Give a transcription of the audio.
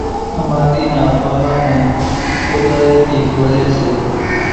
ۿماۮي نان پاۿان نين ڪوۮارين ٿي ولي سي